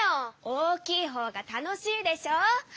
大きいほうが楽しいでしょ！